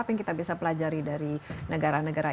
apa yang kita bisa pelajari dari negara negara